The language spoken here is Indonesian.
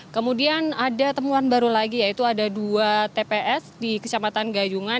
kemudian ada temuan baru lagi yaitu ada dua tps di kecamatan gayungan